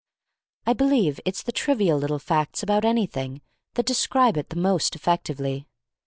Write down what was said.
I believe that it's the trivial little facts about anything that describe it the most effectively.